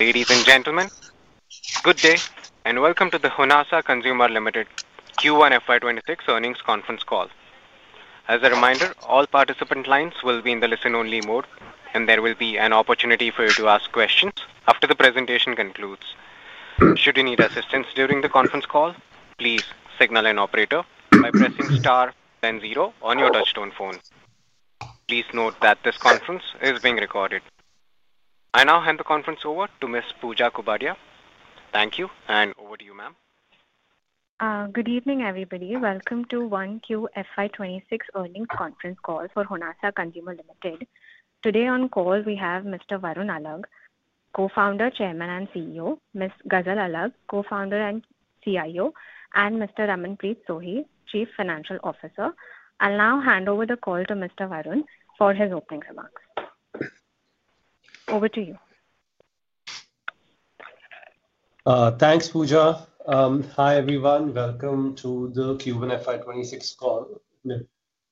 Ladies and gentlemen, good day and welcome to the Honasa Consumer Limited Q1 FY 2026 Earnings Conference Call. As a reminder, all participant lines will be in the listen-only mode, and there will be an opportunity for you to ask questions after the presentation concludes. Should you need assistance during the conference call, please signal an operator by pressing star one zero on your touchstone phone. Please note that this conference is being recorded. I now hand the conference over to Ms. Pooja Kubadia. Thank you, and over to you, ma'am. Good evening, everybody. Welcome to the Q1 FY 2026 Earnings Conference Call for Honasa Consumer Limited. Today on call, we have Mr. Varun Alagh, Co-Founder, Chairman and CEO, Ms. Ghazal Alagh, Co-Founder and CIO, and Mr. Ramanpreet Sohi, Chief Financial Officer. I'll now hand over the call to Mr. Varun for his opening remarks. Over to you. Thanks, Pooja. Hi everyone, welcome to the Q1 FY 2026 call.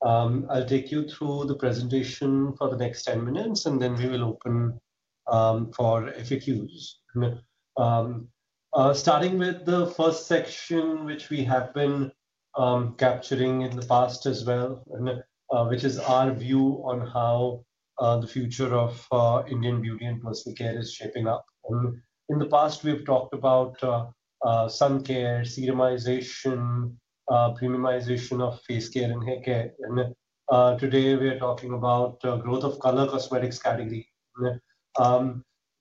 I'll take you through the presentation for the next 10 minutes, and then we will open for FAQs. Starting with the first section, which we have been capturing in the past as well, which is our view on how the future of Indian beauty and personal care is shaping up. In the past, we've talked about sun care, serumization, premiumization of face care and hair care. Today, we are talking about the growth of the color cosmetics category.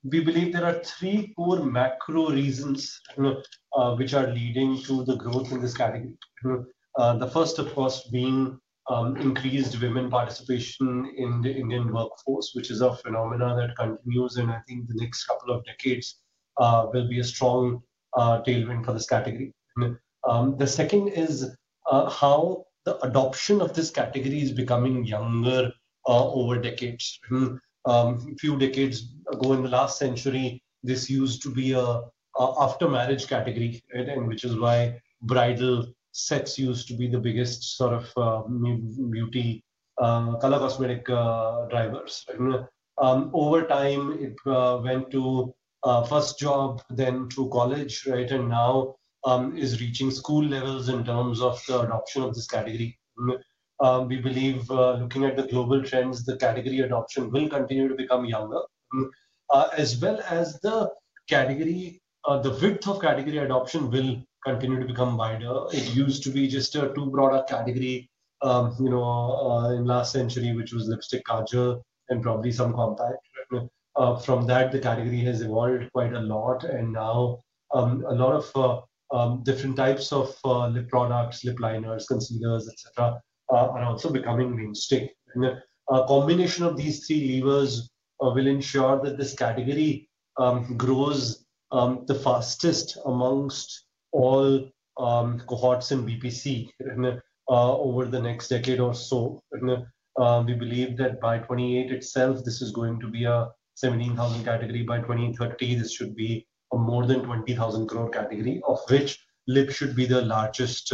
We believe there are three core macro reasons which are leading to the growth in this category. The first, of course, being increased women participation in the Indian workforce, which is a phenomenon that continues in, I think, the next couple of decades, will be a strong tailwind for this category. The second is how the adoption of this category is becoming younger over decades. A few decades ago in the last century, this used to be an after-marriage category, which is why bridal sets used to be the biggest sort of beauty color cosmetic drivers. Over time, it went to first job, then through college, right, and now is reaching school levels in terms of the adoption of this category. We believe, looking at the global trends, the category adoption will continue to become younger, as well as the width of category adoption will continue to become wider. It used to be just a two-product category, in the last century, which was lipstick, contour, and probably some compact. From that, the category has evolved quite a lot, and now a lot of different types of lip products, lip liners, concealers, etc., are also becoming mainstay. A combination of these three levers will ensure that this category grows the fastest amongst all cohorts in BPC over the next decade or so. We believe that by 2028 itself, this is going to be a 17,000 crore category; by 2030, this should be a more than 20,000 crore category, of which lip should be the largest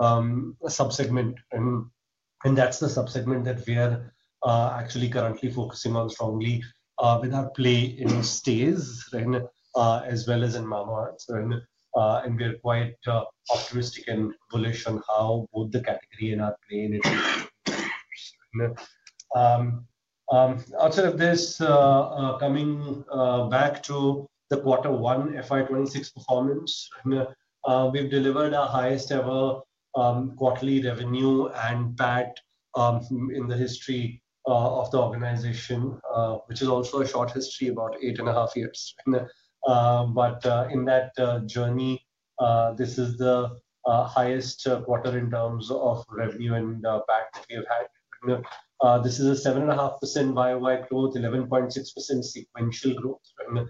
subsegment. That's the subsegment that we are actually currently focusing on strongly with our play in Staze, as well as in Mamaearth. We are quite optimistic and bullish on both the category and our play in it. Outside of this, coming back to the Q1 FY 2026 performance, we've delivered our highest ever quarterly revenue and PAT in the history of the organization, which is also a short history, about eight-and-a-half years. In that journey, this is the highest quarter in terms of revenue and PAT that we've had. This is a 7.5% YOY growth, 11.6% sequential growth.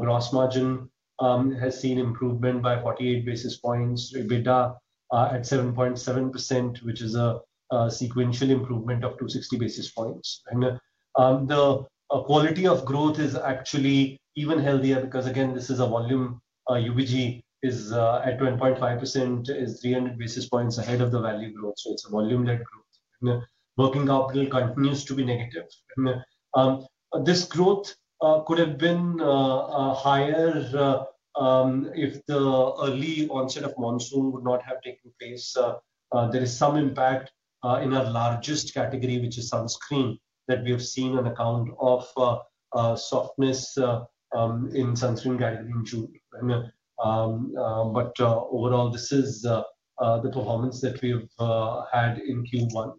Gross margin has seen improvement by 48 basis points. EBITDA at 7.7%, which is a sequential improvement of 260 basis points. The quality of growth is actually even healthier because, again, this is a volume; UVG is at 20.5%, is 300 basis points ahead of the value growth. It's a volume-led growth. Working capital continues to be negative. This growth could have been higher if the early onset of monsoon would not have taken place. There is some impact in our largest category, which is sunscreen, that we have seen on account of softness in sunscreen category in June. Overall, this is the performance that we've had in Q1.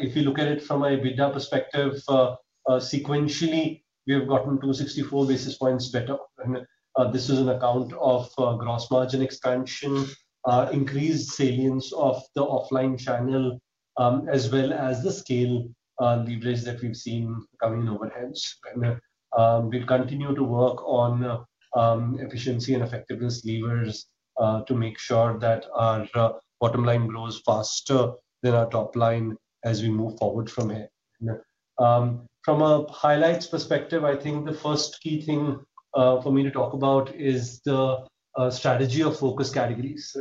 If you look at it from an EBITDA perspective, sequentially, we have gotten 264 basis points better. This is on account of gross margin expansion, increased salience of the offline channel, as well as the scale and leverage that we've seen coming overhead. We'll continue to work on efficiency and effectiveness levers to make sure that our bottom line grows faster than our top line as we move forward from here. From a highlights perspective, I think the first key thing for me to talk about is the strategy of focus categories.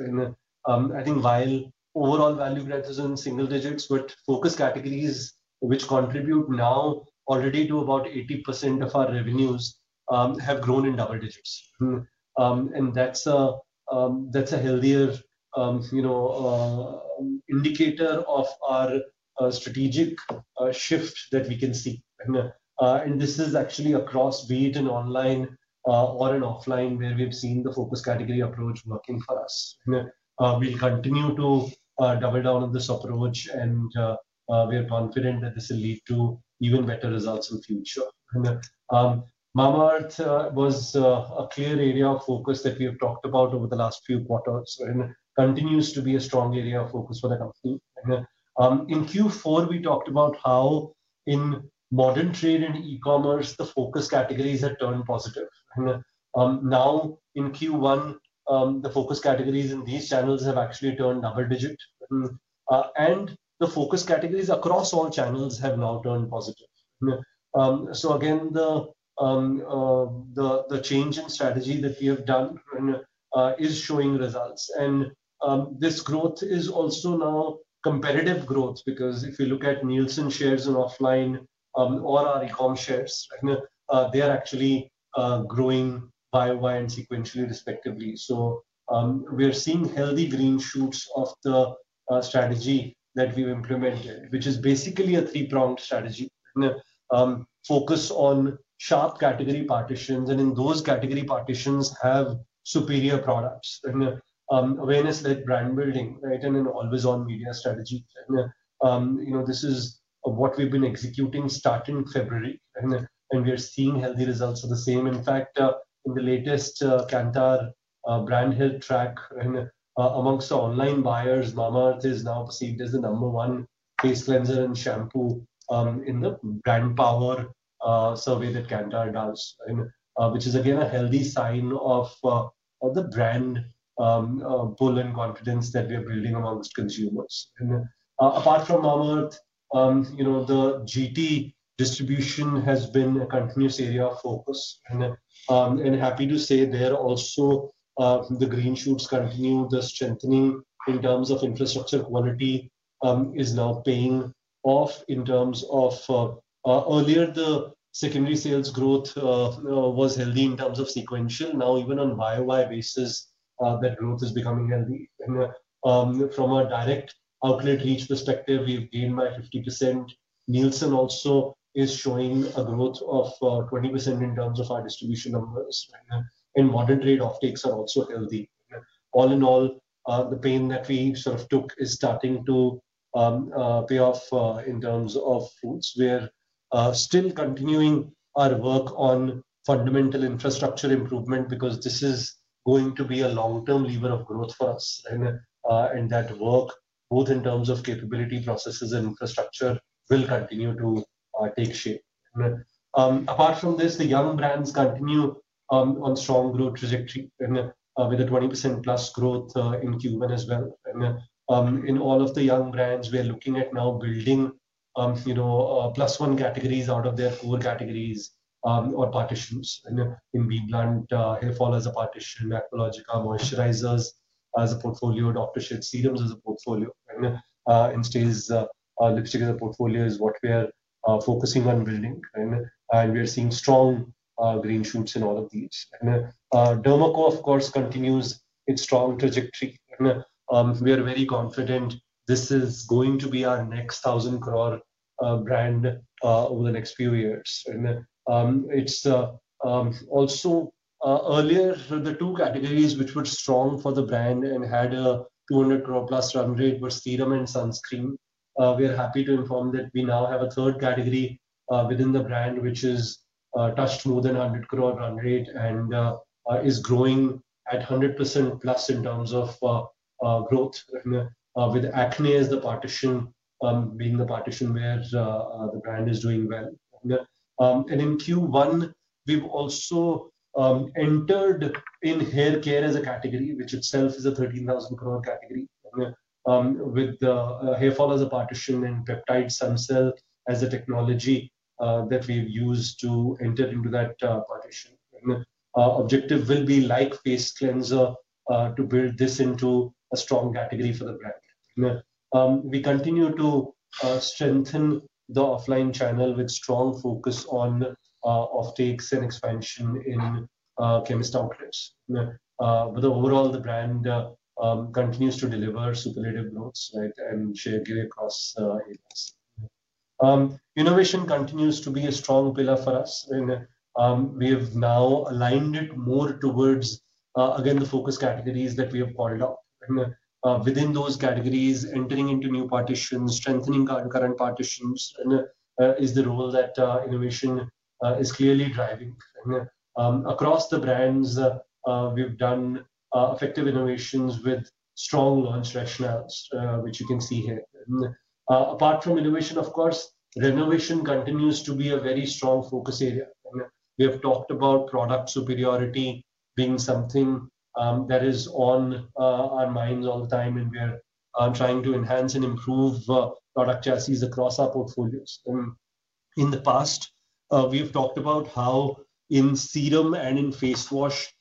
I think while overall value growth is in single digits, focus categories which contribute now already to about 80% of our revenues have grown in double-digits. That's a healthier indicator of our strategic shift that we can see. This is actually across, be it an online or an offline, where we've seen the focus category approach working for us. We'll continue to double down on this approach, and we are confident that this will lead to even better results in the future. Mamaearth was a clear area of focus that we have talked about over the last few quarters and continues to be a strong area of focus for the company. In Q4, we talked about how in modern trade and e-commerce, the focus categories have turned positive. Now in Q1, the focus categories in these channels have actually turned double-digits, and the focus categories across all channels have now turned positive. The change in strategy that we have done is showing results. This growth is also now competitive growth because if you look at Nielsen shares and offline or our e-comm shares, they are actually growing YOY and sequentially respectively. We are seeing healthy green fruits of the strategy that we've implemented, which is basically a three-pronged strategy. Focus on sharp category partitions, and in those category partitions have superior products. Awareness-led brand building, right, and an always-on media strategy. This is what we've been executing starting February, and we are seeing healthy results of the same. In fact, in the latest Kantar brand health track amongst online buyers, Mamaearth is now perceived as the number one face cleanser and shampoo in the brand power survey that Kantar does, which is again a healthy sign of the brand pull and confidence that we are building amongst consumers. Apart from Mamaearth, the GT distribution has been a continuous area of focus. I'm happy to say there also the green shoots continue. The strengthening in terms of infrastructure quality is now paying off. Earlier the secondary sales growth was healthy in terms of sequential. Now even on YOY basis, that growth is becoming healthy. From a direct outlet reach perspective, we've gained by 50%. Nielsen also is showing a growth of 20% in terms of our distribution numbers. Modern trade offtakes are also healthy. All in all, the pain that we sort of took is starting to pay off. In terms of foods, we are still continuing our work on fundamental infrastructure improvement because this is going to be a long-term lever of growth for us. That work, both in terms of capability processes and infrastructure, will continue to take shape. Apart from this, the young brands continue on a strong growth trajectory with a 20%+ growth in Q1 as well. In all of the young brands, we are looking at now building plus one categories out of their core categories or partitions. In BBlunt, hair fall is a partition, Athleisure moisturizers as a portfolio, Dr. Sheth's serums as a portfolio, and in Staze lipstick as a portfolio is what we are focusing on building. We are seeing strong green shoots in all of these. The Derma Co, of course, continues its strong trajectory. We are very confident this is going to be our next 1,000 crore brand over the next few years. It's also earlier the two categories which were strong for the brand and had a 200 crore+ run rate were serum and sunscreen. We are happy to inform that we now have a third category within the brand which has touched more than 100 crore run rate and is growing at 100%+ in terms of growth, with acne as the partition being the partition where the brand is doing well. In Q1, we've also entered in hair care as a category, which itself is a 13,000 crore category, with hair fall as a partition and peptide sun cell as a technology that we've used to enter into that partition. The objective will be like face cleanser to build this into a strong category for the brand. We continue to strengthen the offline channel with strong focus on offtakes and expansion in chemist outlets. Overall, the brand continues to deliver circulative notes and share across ages. Innovation continues to be a strong pillar for us, and we have now aligned it more towards, again, the focus categories that we have pointed out. Within those categories, entering into new partitions and strengthening current partitions is the role that innovation is clearly driving. Across the brands, we've done effective innovations with strong launch rationales, which you can see here. Apart from innovation, renovation continues to be a very strong focus area. We have talked about product superiority being something that is on our minds all the time, and we are trying to enhance and improve product chassis across our portfolios. In the past, we have talked about how in serum and in face wash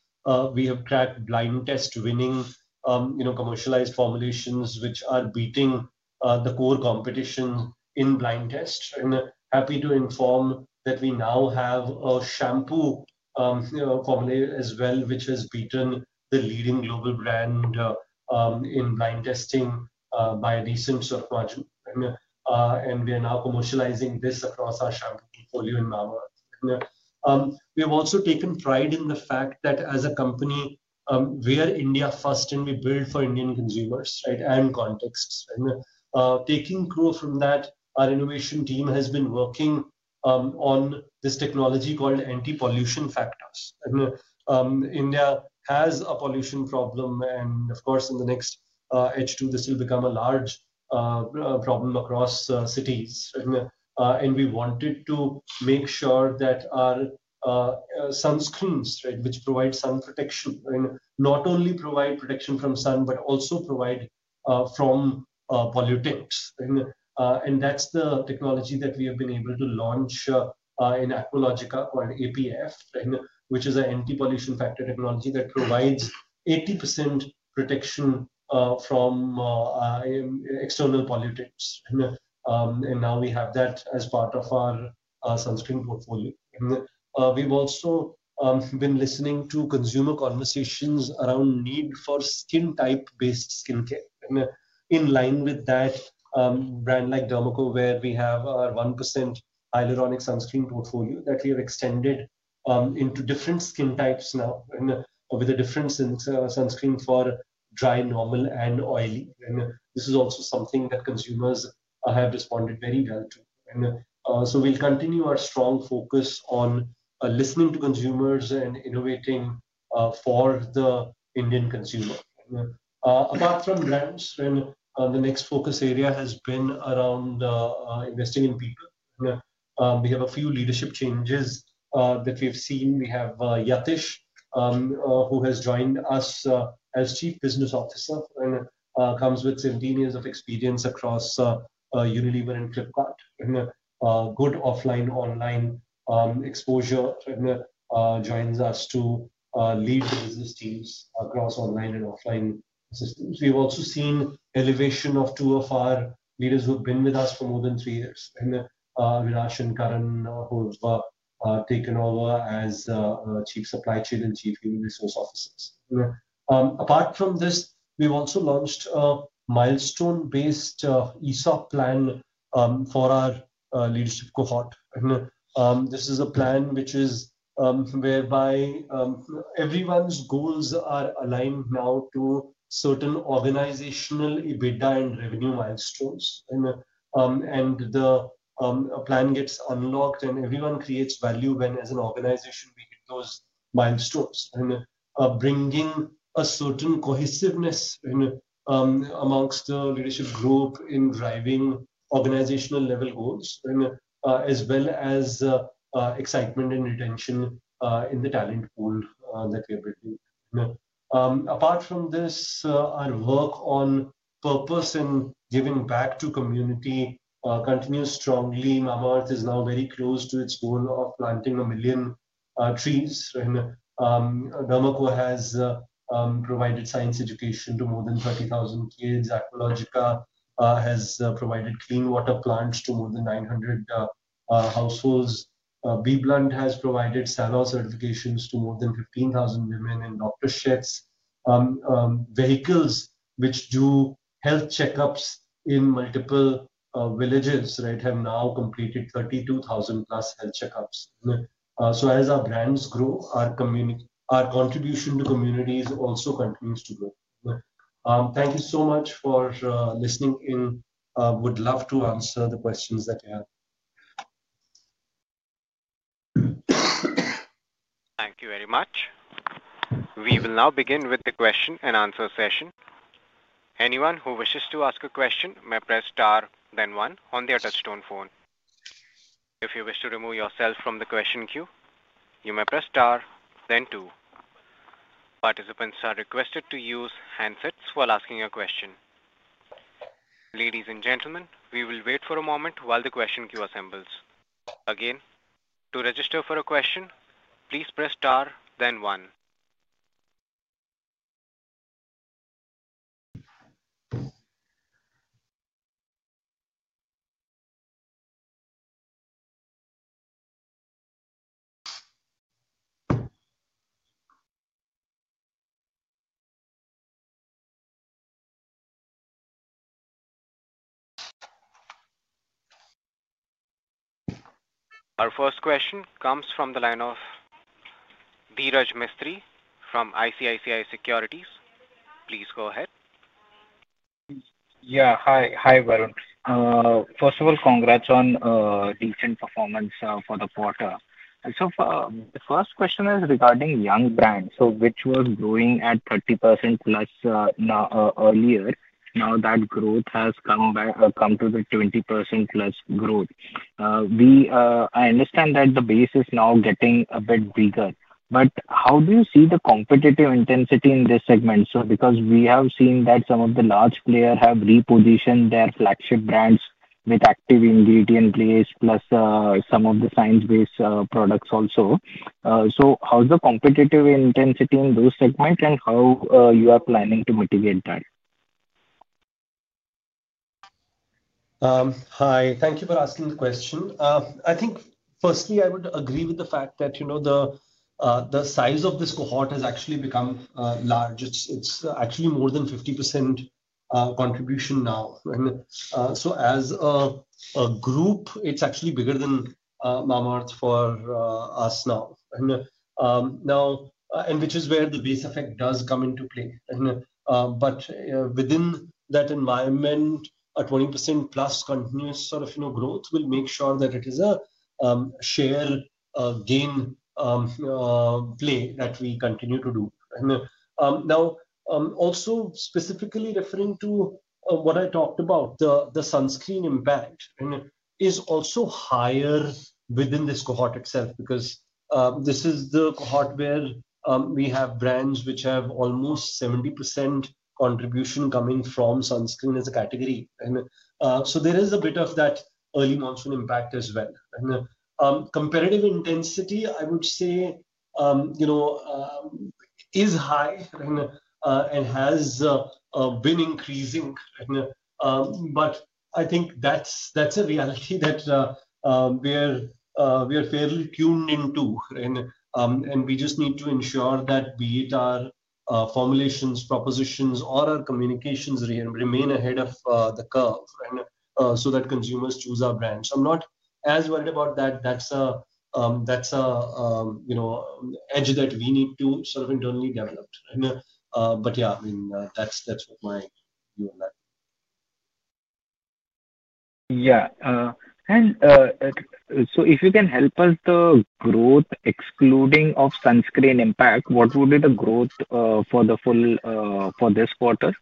we have cracked blind test winning commercialized formulations, which are beating the core competition in blind test. I'm happy to inform that we now have a shampoo formulation as well, which has beaten the leading global brand in blind testing by a decent sort of margin. We are now commercializing this across our shampoo portfolio in Mamaearth. We have also taken pride in the fact that as a company, we are India first, and we build for Indian consumers and contexts. Taking clue from that, our innovation team has been working on this technology called anti-pollution factor. India has a pollution problem, and in the next H2, this will become a large problem across cities. We wanted to make sure that our sunscreens, which provide sun protection, not only provide protection from sun, but also provide from pollutants. That's the technology that we have been able to launch in Athleisure or APF, which is an anti-pollution factor technology that provides 80% protection from external pollutants. Now we have that as part of our sunscreen portfolio. We've also been listening to consumer conversations around the need for skin type-based skincare. In line with that, brands like The Derma Co, where we have our 1% hyaluronic sunscreen portfolio, that we have extended into different skin types now with a difference in sunscreen for dry, normal, and oily. This is also something that consumers have responded very well to. We will continue our strong focus on listening to consumers and innovating for the Indian consumer. Apart from brands, the next focus area has been around investing in people. We have a few leadership changes that we have seen. We have Yatish, who has joined us as Chief Business Officer and comes with 17 years of experience across Unilever and Flipkart, and good offline-online exposure, and joins us to lead the business teams across online and offline systems. We've also seen the elevation of two of our leaders who have been with us for more than three years, Rilash and Karan, who have taken over as Chief Supply Chain and Chief Business Officers. Apart from this, we've also launched a milestone-based ESOP plan for our leadership cohort. This is a plan whereby everyone's goals are aligned now to certain organizational EBITDA and revenue milestones. The plan gets unlocked, and everyone creates value when as an organization we hit those milestones, bringing a certain cohesiveness amongst the leadership group in driving organizational level goals, as well as excitement and retention in the talent pool that we are building. Apart from this, our work on purpose and giving back to community continues strongly. Mamaearth is now very close to its goal of planting a million trees. The Derma Co has provided science education to more than 30,000 kids. Athleisure has provided clean water plants to more than 900 households. BBlunt has provided SARA certifications to more than 15,000 women, and Dr. Sheth's's vehicles, which do health checkups in multiple villages, have now completed 32,000+ health checkups. As our brands grow, our contribution to communities also continues to grow. Thank you so much for listening in. I would love to answer the questions that I have. Thank you very much. We will now begin with the question and answer session. Anyone who wishes to ask a question may press star, then one on their touchstone phone. If you wish to remove yourself from the question queue, you may press star, then two. Participants are requested to use handsets while asking a question. Ladies and gentlemen, we will wait for a moment while the question queue assembles. Again, to register for a question, please press star, then one. Our first question comes from the line of Dhiraj Mistry from ICICI Securities. Please go ahead. Yeah, hi, Varun. First of all, congrats on a decent performance for the quarter. The first question is regarding young brands, which were growing at 30%+ earlier. Now that growth has come to the 20%+ growth. I understand that the base is now getting a bit bigger, but how do you see the competitive intensity in this segment? We have seen that some of the large players have repositioned their flagship brands with active ingredient layers plus some of the science-based products also. How's the competitive intensity in those segments and how are you planning to motivate that? Hi, thank you for asking the question. I think firstly, I would agree with the fact that the size of this cohort has actually become large. It's actually more than 50% contribution now. As a group, it's actually bigger than Mamaearth for us now, which is where the base effect does come into play. Within that environment, a 20%+ continuous sort of growth will make sure that it is a shared gameplay that we continue to do. Also, specifically referring to what I talked about, the sunscreen impact is also higher within this cohort itself because this is the cohort where we have brands which have almost 70% contribution coming from sunscreen as a category. There is a bit of that early monsoon impact as well. The competitive intensity, I would say, is high and has been increasing. I think that's a reality that we are fairly tuned into, and we just need to ensure that, be it our formulations, propositions, or our communications, remain ahead of the curve so that consumers choose our brands. I'm not as worried about that. That's an edge that we need to sort of internally develop. Yeah, I mean, that's what my view on that. If you can help us, the growth excluding the sunscreen impact, what would be the growth for the full for this quarter?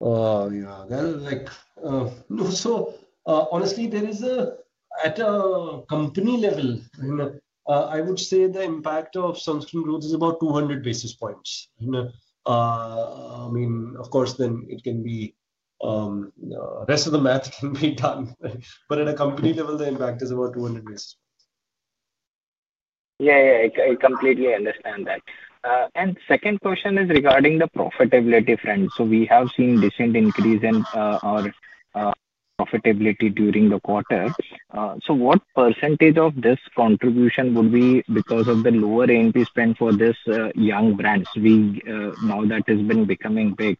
Honestly, at a company level, I would say the impact of sunscreen growth is about 200 basis points. Of course, the rest of the math will be done, but at a company level, the impact is about 200 basis points. Yeah, I completely understand that. The second question is regarding the profitability trend. We have seen a decent increase in our profitability during the quarter. What percentage of this contribution would be because of the lower A&P spend for these young brands? We know that it's been becoming big.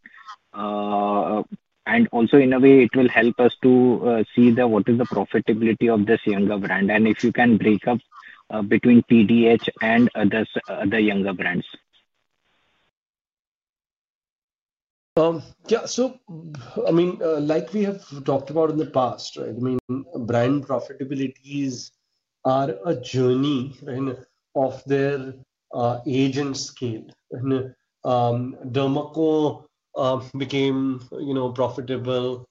In a way, it will help us to see what is the profitability of this younger brand and if you can break up between TDH and other younger brands. Yeah, like we have talked about in the past, right? Brand profitabilities are a journey of their age and scale. The Derma Co became profitable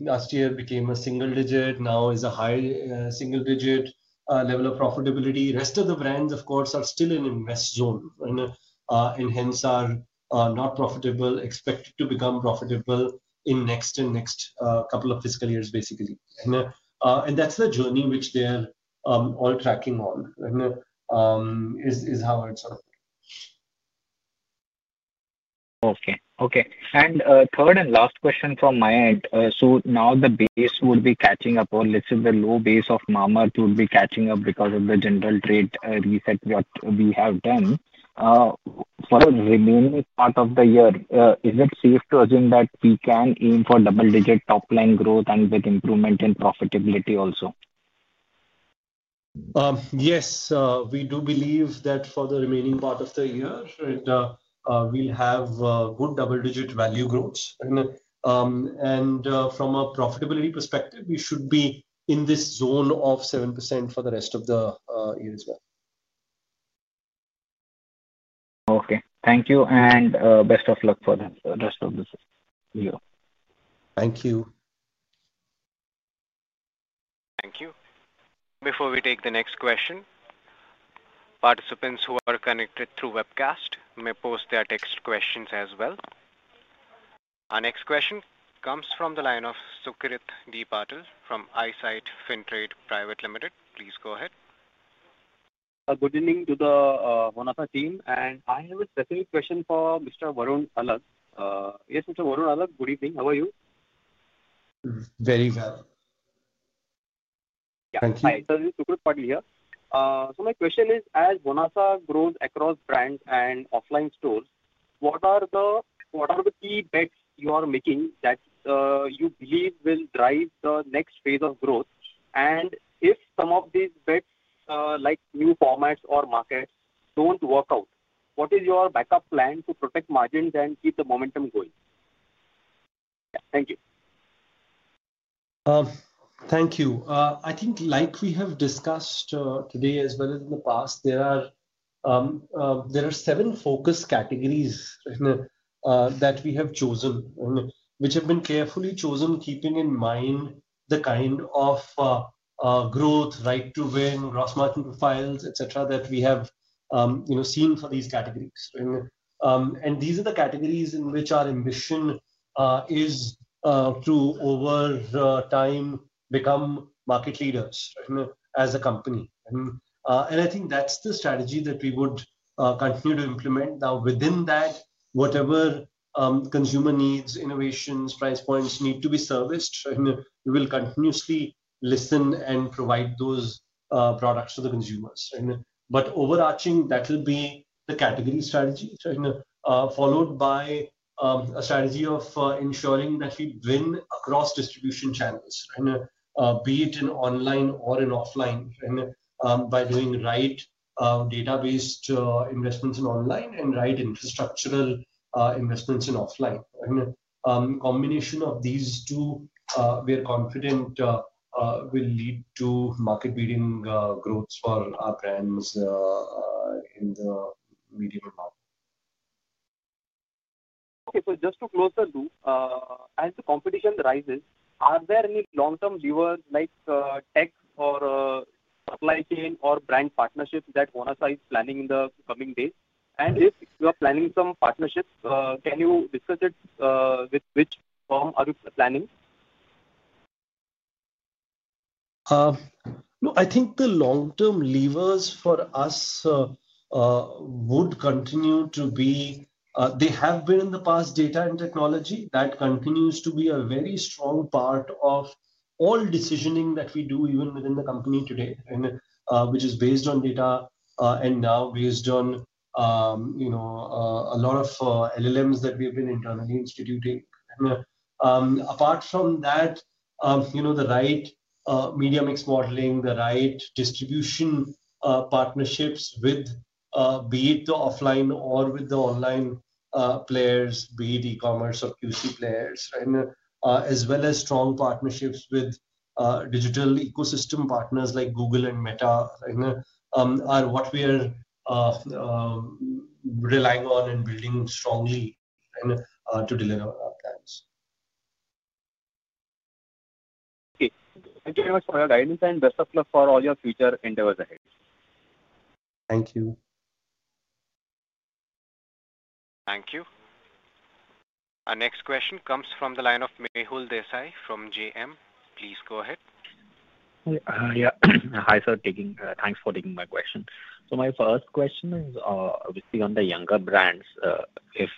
last year, became a single digit, now is a high single digit level of profitability. The rest of the brands, of course, are still in invest zone and hence are not profitable, expected to become profitable in the next couple of fiscal years, basically. That's the journey which they're all tracking on, and is how I'd say. Okay. Third and last question from my end. Now the base will be catching up or less of the low base of Mamaearth will be catching up because of the general trade reset that we have done. For the remaining part of the year, is it safe to assume that we can aim for double-digit top-line growth with improvement in profitability also? Yes, we do believe that for the remaining part of the year, we'll have good double-digit value growth. From a profitability perspective, we should be in this zone of 7% for the rest of the year as well. Thank you. Best of luck for the rest of this year. Thank you. Thank you. Before we take the next question, participants who are connected through webcast may post their text questions as well. Our next question comes from the line of Sucrit Patil from EyeSight Fintrade Private Limited. Please go ahead. Good evening to the Honasa team. I have a specific question for Mr. Varun Alagh. Yes, Mr. Varun Alagh, good evening. How are you? Very well. Yeah, thank you. Hi, sir. This is Sucrit Patil here. My question is, as Honasa grows across brands and offline stores, what are the key bets you are making that you believe will drive the next phase of growth? If some of these bets, like new formats or markets, don't work out, what is your backup plan to protect margins and keep the momentum going? Thank you. Thank you. I think, like we have discussed today as well as in the past, there are seven focus categories that we have chosen, which have been carefully chosen, keeping in mind the kind of growth, right to win, gross margin profiles, etc., that we have seen for these categories. These are the categories in which our ambition is to, over time, become market leaders as a company. I think that's the strategy that we would continue to implement. Now, within that, whatever consumer needs, innovations, price points need to be serviced, we will continuously listen and provide those products to the consumers. Overarching, that'll be the category strategy, followed by a strategy of ensuring that we win across distribution channels, be it in online or in offline, by doing right database investments in online and right infrastructural investments in offline. A combination of these two, we are confident, will lead to market-leading growth for our brands in the medium term. Okay, just to close the loop, as the competition rises, are there any long-term levers like tech or supply chain or brand partnerships that Honasa is planning in the coming days? If you are planning some partnerships, can you discuss it with which firms you are planning? No, I think the long-term levers for us would continue to be, they have been in the past, data and technology. That continues to be a very strong part of all decisioning that we do, even within the company today, which is based on data and now based on a lot of LLMs that we have been internally instituting. Apart from that, the right media mix modeling, the right distribution partnerships with, be it the offline or with the online players, be it e-commerce or quick commerce players, as well as strong partnerships with digital ecosystem partners like Google and Meta, are what we are relying on and building strongly to deliver our plans. Thank you very much for your guidance and best of luck for all your future endeavors ahead. Thank you. Thank you. Our next question comes from the line of Mehul Desai from JM. Please go ahead. Yeah. Hi, sir. Thanks for taking my question. My first question is obviously on the younger brands. If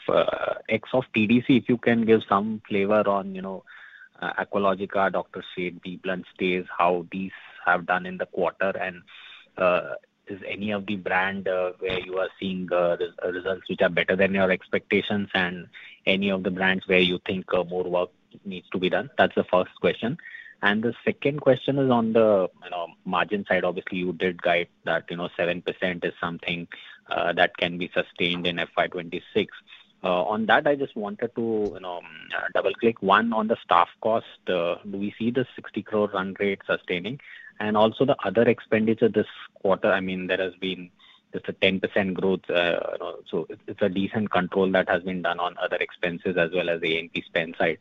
X of TDC, if you can give some flavor on Athleisure, Dr. Sheth's, BBlunt, Staze, how these have done in the quarter, and is any of the brands where you are seeing the results which are better than your expectations and any of the brands where you think more work needs to be done? That's the first question. The second question is on the margin side. Obviously, you did guide that 7% is something that can be sustained in FY 2026. On that, I just wanted to double-click one on the staff cost. Do we see the 60 crore run rate sustaining? Also, the other expenditure this quarter, I mean, there has been a 10% growth. It's a decent control that has been done on other expenses as well as the A&P spend side.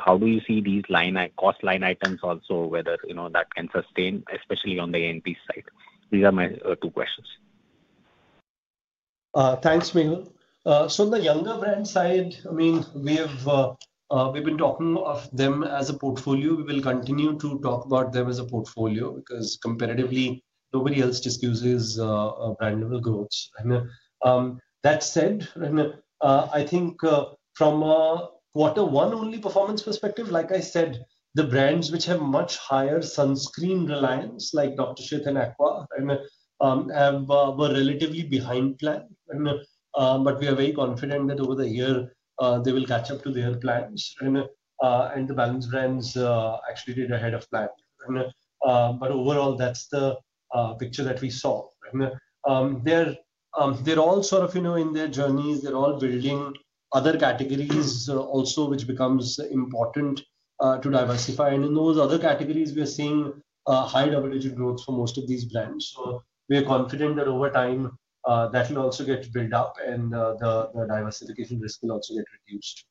How do you see these cost line items also, whether that can sustain, especially on the A&P side? These are my two questions. Thanks, Mehul. On the younger brand side, we've been talking of them as a portfolio. We will continue to talk about them as a portfolio because comparatively, nobody else disputes brandable growth. That said, I think from a quarter one-only performance perspective, like I said, the brands which have much higher sunscreen reliance, like Dr. Sheth's and Athleisure, were relatively behind plan. We are very confident that over-the-year, they will catch up to their plans. The balance brands actually did ahead of plan. Overall, that's the picture that we saw. They're all sort of in their journeys. They're all building other categories also, which becomes important to diversify. In those other categories, we are seeing high double-digit growth for most of these brands. We are confident that over time, that will also get built up and the diversification risk will also get reduced.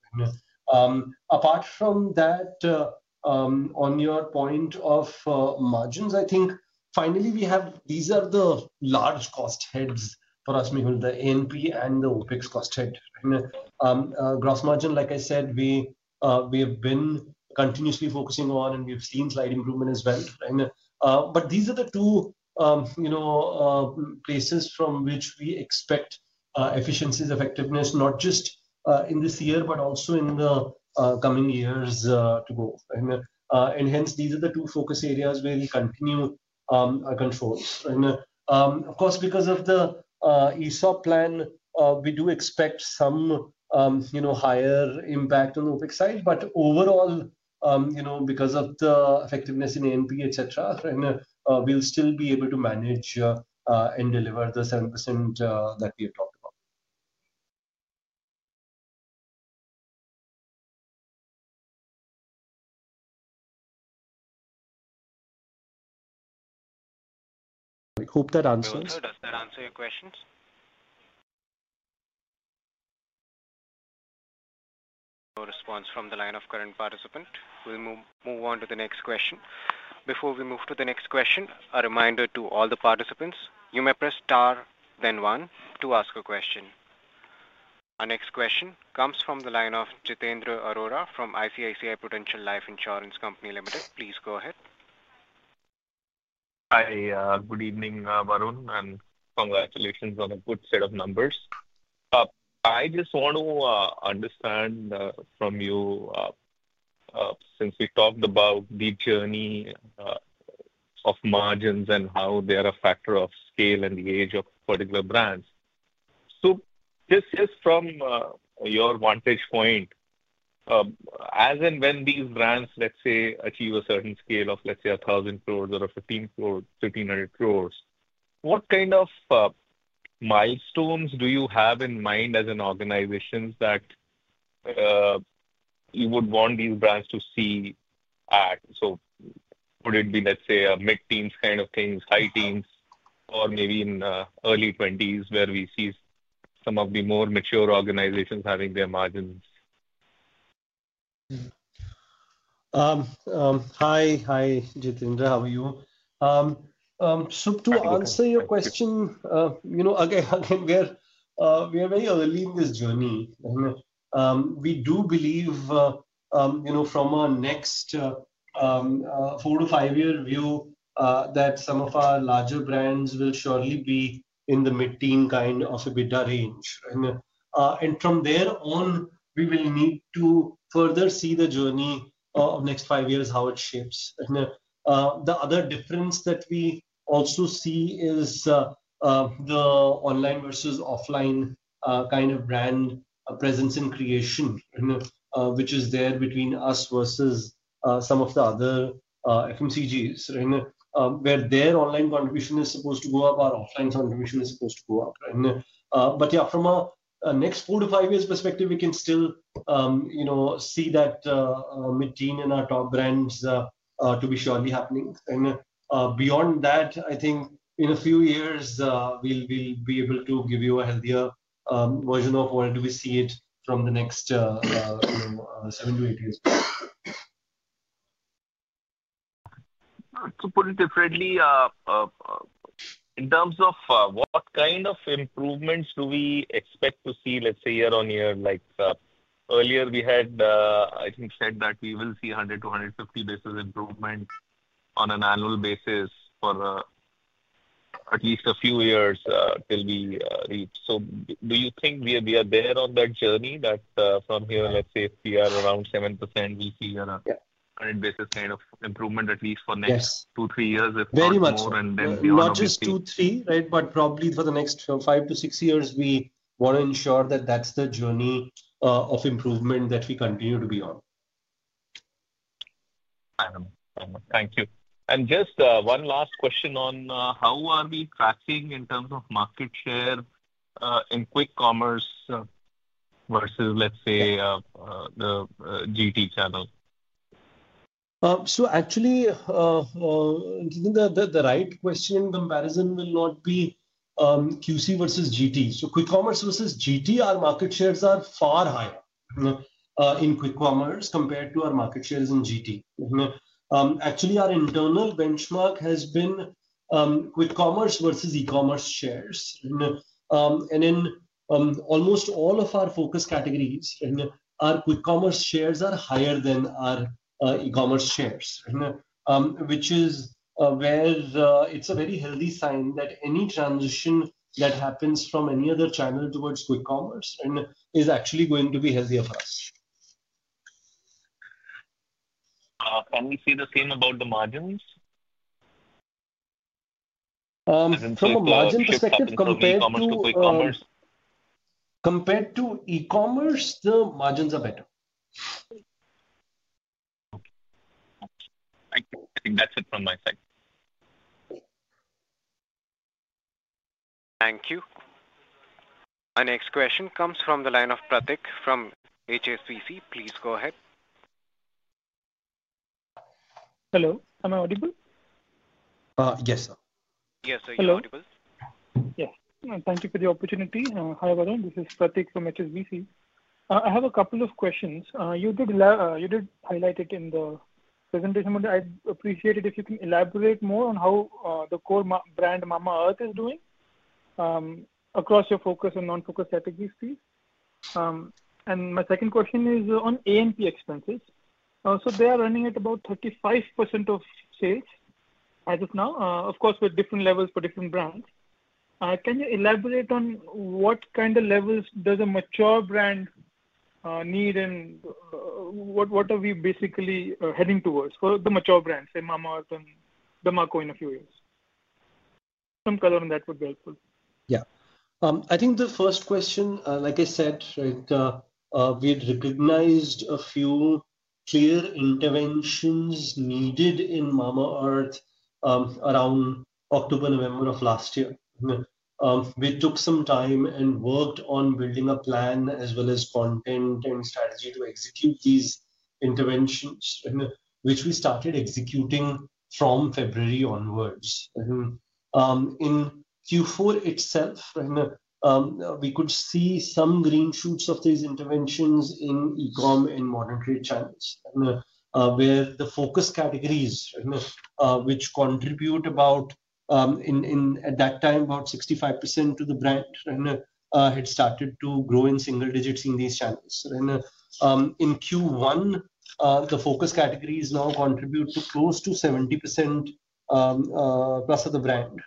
Apart from that, on your point of margins, I think finally we have, these are the large cost heads for us, Mehul, the A&P and the OpEx cost head. Gross margin, like I said, we have been continuously focusing on and we've seen slight improvement as well. These are the two bases from which we expect efficiencies, effectiveness, not just in this year, but also in the coming years to go. These are the two focus areas where we continue our controls. Of course, because of the ESOP plan, we do expect some higher impact on the OpEx side. Overall, because of the effectiveness in A&P, etc., we'll still be able to manage and deliver the 7% that we have talked about. I hope that answers. That answered your questions. No response from the line of current participant. We'll move on to the next question. Before we move to the next question, a reminder to all the participants, you may press star, then one, to ask a question. Our next question comes from the line of Jitendra Arora from ICICI Prudential Life Insurance Company Limited. Please go ahead. Hi, good evening, Varun, and congratulations on a good set of numbers. I just want to understand from you, since we talked about the journey of margins and how they are a factor of scale and the age of particular brands. Just from your vantage point, as in when these brands, let's say, achieve a certain scale of, let's say, 1,000 crore or 1,500 crore, what kind of milestones do you have in mind as an organization that you would want these brands to see at? Would it be, let's say, a mid-teen kind of thing, high teens, or maybe in the early 20% where we see some of the more mature organizations having their margins? Hi, Jitendra. How are you? To answer your question, we are very early in this journey. We do believe, from our next four to five-year view, that some of our larger brands will surely be in the mid-teen kind of EBITDA range. From there on, we will need to further see the journey of the next five years, how it shapes. The other difference that we also see is the online versus offline kind of brand presence and creation, which is there between us versus some of the other FMCGs, where their online contribution is supposed to go up, our offline contribution is supposed to go up. From our next four to five years perspective, we can still see that mid-teen and our top brands to be surely happening. Beyond that, I think in a few years, we'll be able to give you a healthier version of where do we see it from the next seven to eight years. To put it differently, in terms of what kind of improvements do we expect to see, let's say, year-on-year, like earlier we had, I think, said that we will see 100 basis points-150 basis points improvements on an annual basis for at least a few years till we reach. Do you think we are there on that journey that from here, let's say, if we are around 7%, we see a 100 basis points kind of improvement at least for the next two, three years, if not more. Very much. Not just two, three, right, but probably for the next five to six years, we want to ensure that that's the journey of improvement that we continue to be on. Thank you. Just one last question on how are we tracking in terms of market share in quick commerce versus, let's say, the GT channel? Actually, the right question comparison will not be quick commerce versus GT. Quick commerce versus GT, our market shares are far higher in quick commerce compared to our market shares in GT. Actually, our internal benchmark has been quick commerce versus e-commerce shares. In almost all of our focus categories, our quick commerce shares are higher than our e-commerce shares, which is where it's a very healthy sign that any transition that happens from any other channel towards quick commerce is actually going to be healthier for us. Can you say the same about the margins? From a margin perspective, compared to e-commerce, the margins are better. I think that's it from my side. Thank you. Our next question comes from the line of Pratik from HSBC. Please go ahead. Hello. Am I audible? Yes, sir. Yes, sir. You're audible. Hello. Yes. Thank you for the opportunity. Hi, Varun. This is Pratik from HSBC. I have a couple of questions. You did highlight it in the presentation module. I'd appreciate it if you can elaborate more on how the core brand Mamaearth is doing across your focus and non-focus strategies. My second question is on A&P expenses. They are running at about 35% of sales as of now. Of course, there are different levels for different brands. Can you elaborate on what kind of levels a mature brand needs and what are we basically heading towards for the mature brands, say Mamaearth and The Derma Co, in a few years? Some color on that would be helpful. Yeah. I think the first question, like I said, we had recognized a few clear interventions needed in Mamaearth around October, November of last year. We took some time and worked on building a plan as well as content and strategy to execute these interventions, which we started executing from February onwards. In Q4 itself, we could see some green shoots of these interventions in e-comm and modern trade channels, where the focus categories, which contribute about, at that time, about 65% to the brand, had started to grow in single digits in these channels. In Q1, the focus categories now contribute to close to 70%+ of the brand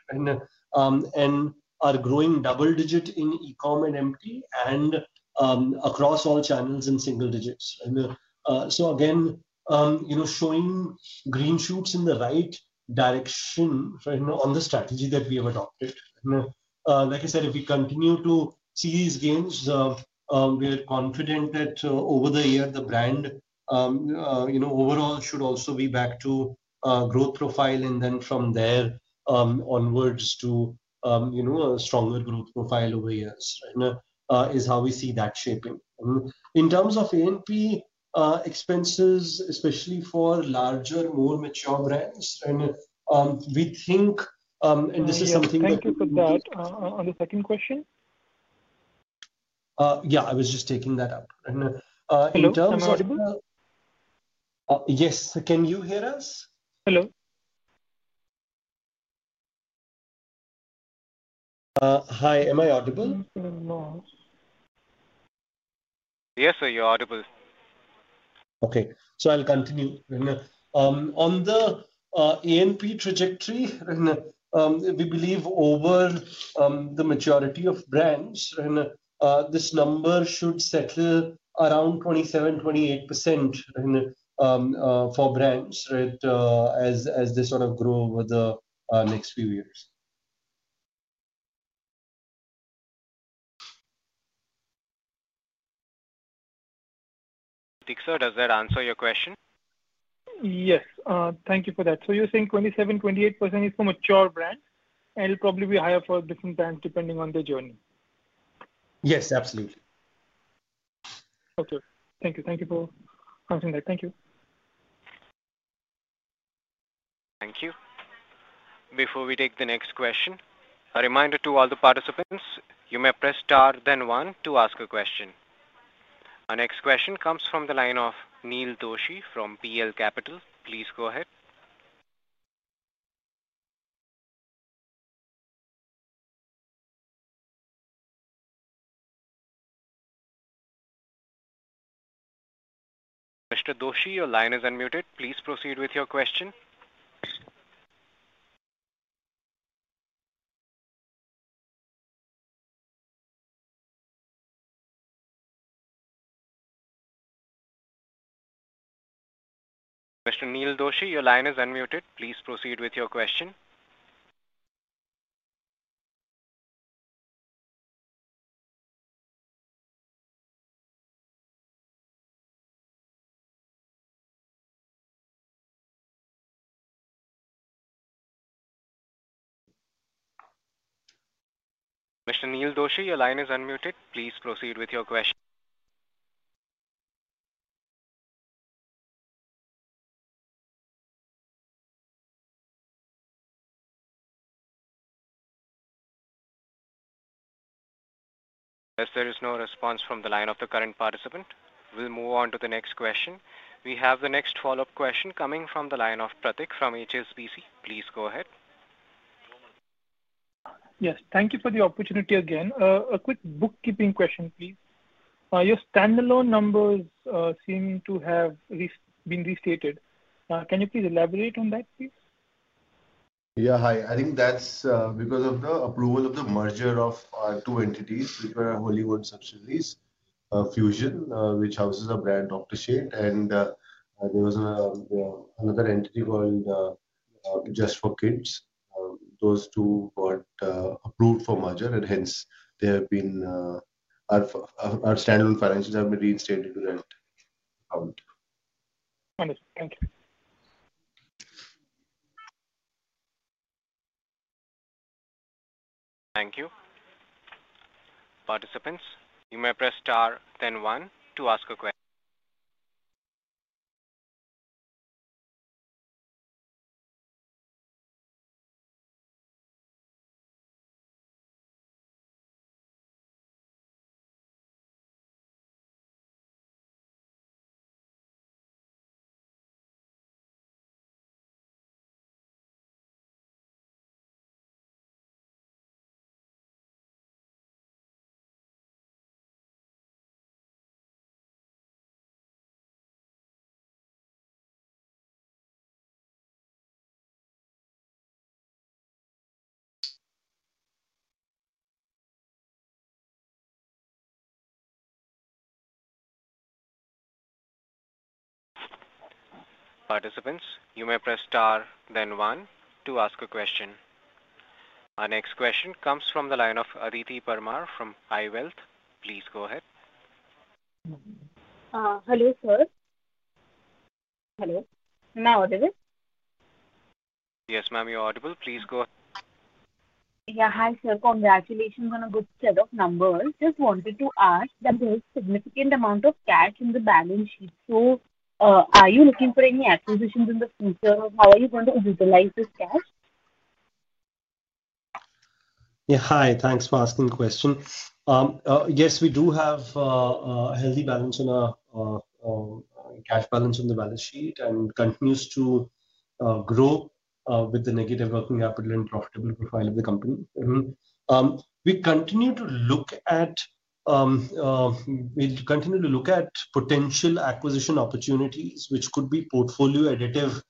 and are growing double digit in e-comm and MT and across all channels in single digits. Again, showing green shoots in the right direction on the strategy that we have adopted. Like I said, if we continue to see these gains, we are confident that over the year, the brand overall should also be back to growth profile and then from there onwards to a stronger growth profile over years is how we see that shaping. In terms of A&P expenses, especially for larger, more mature brands, we think, and this is something that. Thank you for that. On the second question? Yeah, I was just taking that up. Can you hear us? Yes, can you hear us? Hello? Hi, am I audible? Yes, sir, you're audible. Okay, I'll continue. On the A&P trajectory, we believe over the majority of brands, this number should settle around 27%-28% for brands as they sort of grow over the next few years. Does that answer your question? Thank you for that. You're saying 27%-28% is for mature brands and it'll probably be higher for different brands depending on their journey? Yes, absolutely. Okay, thank you. Thank you for answering that. Thank you. Thank you. Before we take the next question, a reminder to all the participants, you may press star, then one, to ask a question. Our next question comes from the line of Neel Doshi from PL Capital. Please go ahead. Mr. Doshi, your line is unmuted. Please proceed with your question. Mr. Neel Doshi, your line is unmuted. Please proceed with your question. Mr. Neel Doshi, your line is unmuted. Please proceed with your question. There is no response from the line of the current participant. We'll move on to the next question. We have the next follow-up question coming from the line of Pratik from HSBC. Please go ahead. Yes, thank you for the opportunity again. A quick bookkeeping question, please. Your standalone numbers seem to have been restated. Can you please elaborate on that, please? Yeah, hi. I think that's because of the approval of the merger of two entities: Hollywood Subsidies Fusion, which houses a brand, Dr. Sheth's, and there was another entity called Just for Kids. Those two were approved for merger, and hence, our standalone financials have been reinstated to that account. Understood. Thank you. Thank you. Participants, you may press star, then one, to ask a question. Our next question comes from the line of Aditi Parmar from iWealth. Please go ahead. Hello, sir. Hello. Am I audible? Yes, ma'am, you're audible. Please go ahead. Yeah, hi, sir. Congratulations on a good set of numbers. Just wanted to ask, there's a significant amount of cash in the balance sheet. Are you looking for any acquisitions in the future, or how are you going to utilize this cash? Yeah, hi. Thanks for asking the question. Yes, we do have a healthy balance in our cash balance in the balance sheet, and it continues to grow with the negative working capital and profitable profile of the company. We continue to look at potential acquisition opportunities, which could be portfolio additive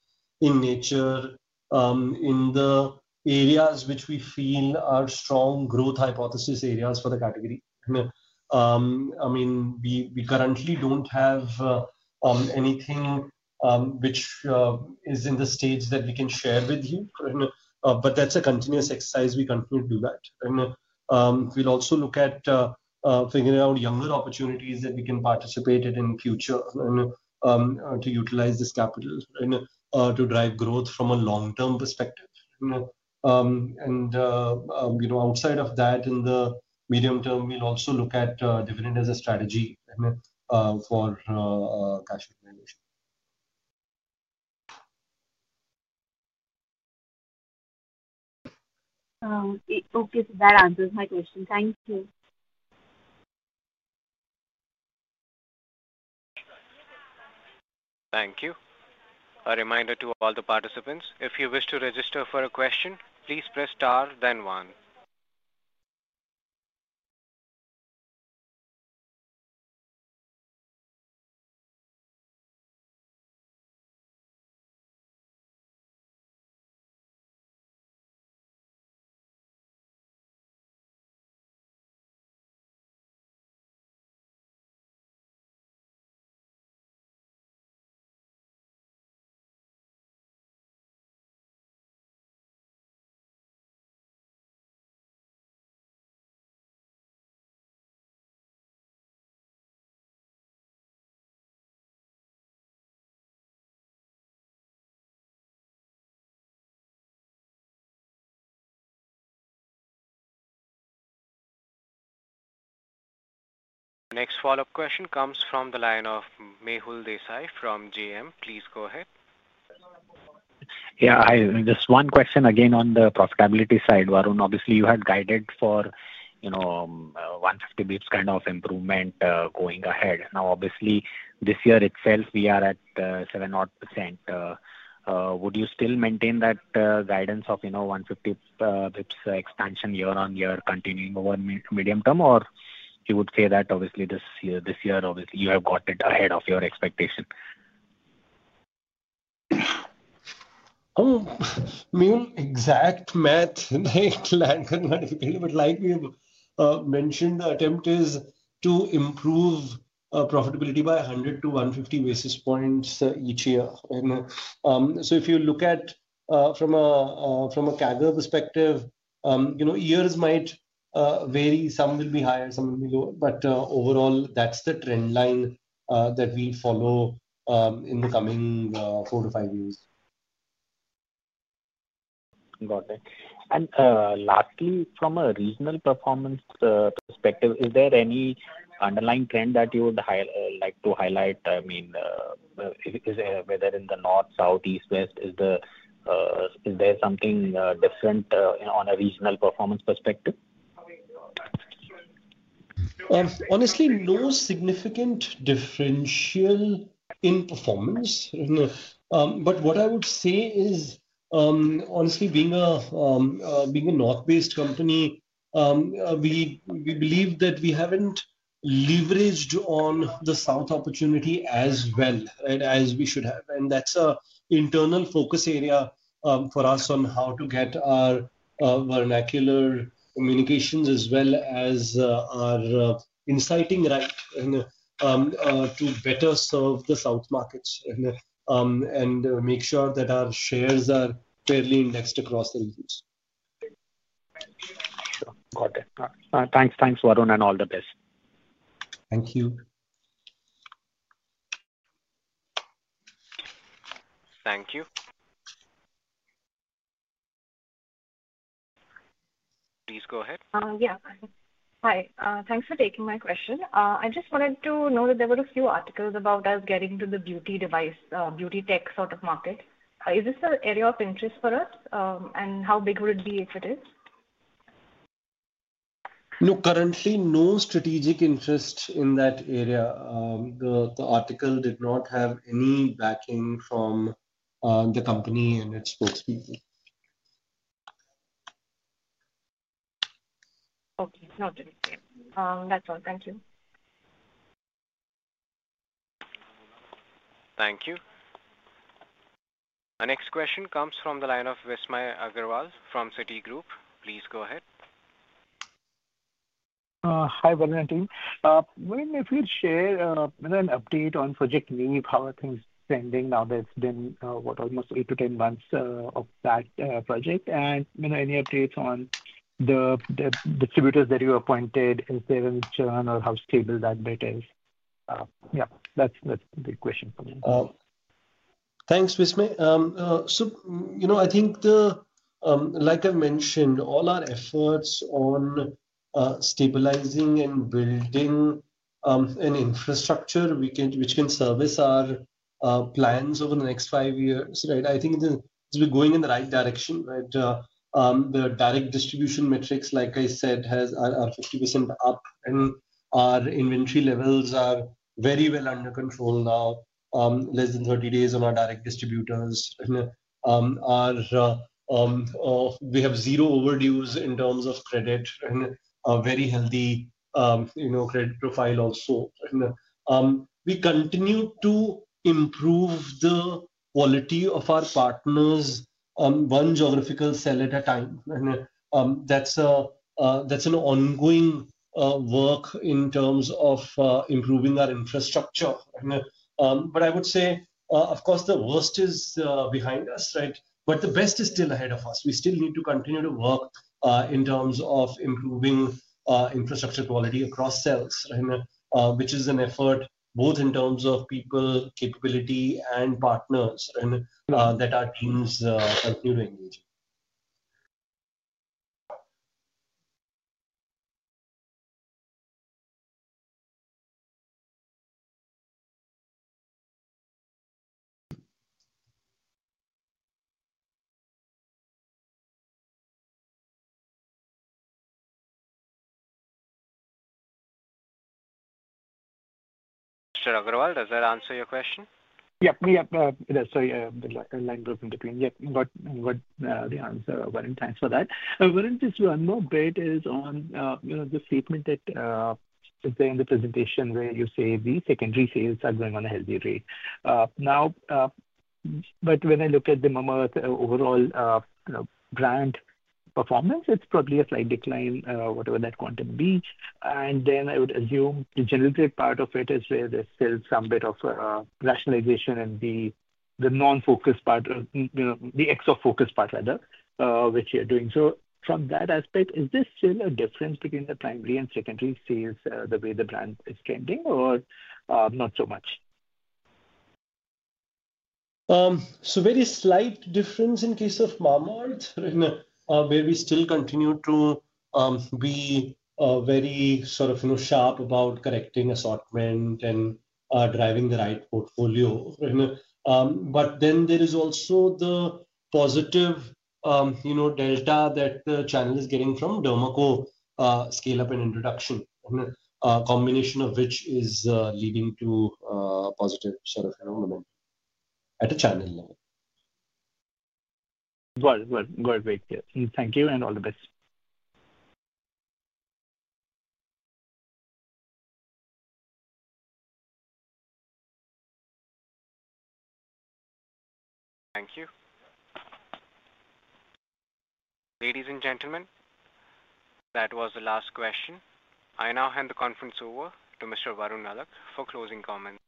in nature, in the areas which we feel are strong growth hypothesis areas for the category. We currently don't have anything which is in the stage that we can share with you, but that's a continuous exercise. We continue to do that. We'll also look at figuring out younger opportunities that we can participate in in the future to utilize this capital to drive growth from a long-term perspective. Outside of that, in the medium term, we'll also look at dividend as a strategy for cash organization. It's okay if that answers my question. Thank you. Thank you. A reminder to all the participants, if you wish to register for a question, please press star, then one. Next follow-up question comes from the line of Mehul Desai from JM. Please go ahead. Yeah, hi. Just one question again on the profitability side, Varun. Obviously, you had guided for 150 basis points kind of improvement going ahead. Now, obviously, this year itself, we are at 7% odd. Would you still maintain that guidance of 150 basis points expansion year-on-year continuing over medium term, or you would say that obviously this year, obviously you have got it ahead of your expectation? The exact math, the land could not be picky, but like we mentioned, the attempt is to improve profitability by 100 basis points-150 basis points each year. If you look at it from a CAGR perspective, years might vary. Some will be higher, some will be lower. Overall, that's the trend line that we follow in the coming 4-5 years. Got it. Lastly, from a regional performance perspective, is there any underlying trend that you would like to highlight? I mean, is there whether in the north, south, east, west, is there something different on a regional performance perspective? Honestly, no significant differential in performance. What I would say is, honestly, being a north-based company, we believe that we haven't leveraged on the South India opportunity as well as we should have. That's an internal focus area for us on how to get our vernacular communications as well as our inciting right to better serve the south markets and make sure that our shares are fairly indexed across the regions. Got it. Thanks. Thanks, Varun, and all the best. Thank you. Thank you. Please go ahead. Yeah. Hi, thanks for taking my question. I just wanted to know that there were a few articles about us getting to the beauty device, beauty tech sort of market. Is this an area of interest for us, and how big would it be if it is? No, currently, no strategic interest in that area. The article did not have any backing from the company and its spokespeople. Okay. Noted. That's all. Thank you. Thank you. Our next question comes from the line of Vismaya Agarwal from Citigroup. Please go ahead. Hi, Varun and team. Varun, if you'd share an update on Project LEAP, how are things trending now that it's been, what, almost 8-10 months of that project? Any updates on the distributors that you appointed, if they're in churn or how stable that bit is? Yeah, that's a big question for me. Thanks, Vismaya. I think, like I've mentioned, all our efforts on stabilizing and building an infrastructure which can service our plans over the next five years, right? I think it's going in the right direction, right? The direct distribution metrics, like I said, are 50% up, and our inventory levels are very well under control now. Less than 30 days on our direct distributors. We have zero overdues in terms of credit and a very healthy credit profile also. We continue to improve the quality of our partners on one geographical cell at a time. That's an ongoing work in terms of improving our infrastructure. I would say, of course, the worst is behind us, right? The best is still ahead of us. We still need to continue to work in terms of improving infrastructure quality across sales, which is an effort both in terms of people, capability, and partners that our teams are needing. Mr. Agarwal, does that answer your question? Yeah, sorry, a line broke in between. Yeah, what the answer? Varun, thanks for that. Varun, just one more bit is on the statement that is there in the presentation where you say the secondary sales are going on a healthy rate. Now, when I look at the Mamaearth overall brand performance, it's probably a slight decline, whatever that quantum be. I would assume the generative part of it is where there's still some bit of rationalization and the non-focus part, the ex of focus part, rather, which you're doing. From that aspect, is there still a difference between the primary and secondary sales the way the brand is trending or not so much? Very slight difference in case of Mamaearth, where we still continue to be very sort of sharp about correcting assortment and driving the right portfolio. There is also the positive delta that the channel is getting from The Derma Co scale-up and introduction, a combination of which is leading to positive share of phenomenon at a channel level. Good. Thank you. All the best. Thank you. Ladies and gentlemen, that was the last question. I now hand the conference over to Mr. Varun Alagh for closing comments.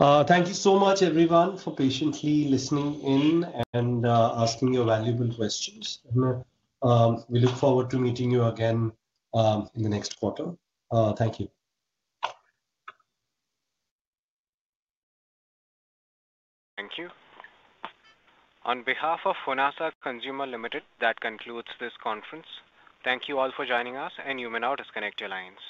Thank you so much, everyone, for patiently listening in and asking your valuable questions. We look forward to meeting you again in the next quarter. Thank you. Thank you. On behalf of Honasa Consumer Limited, that concludes this conference. Thank you all for joining us, and you may now disconnect your lines.